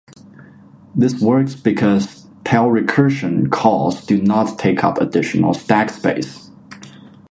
This works because tail-recursion calls do not take up additional stack space.